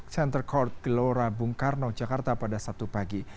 center court gelora bung karno jakarta pada sabtu pagi